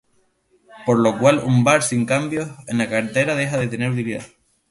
Por lo cual un VaR sin cambios en la cartera deja de tener utilidad.